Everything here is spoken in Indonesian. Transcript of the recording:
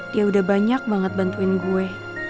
dia udah banyak banget bantuin gue